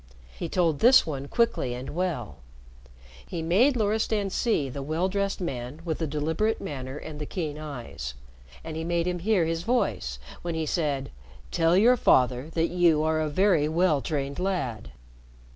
He told this one quickly and well. He made Loristan see the well dressed man with the deliberate manner and the keen eyes, and he made him hear his voice when he said, "Tell your father that you are a very well trained lad."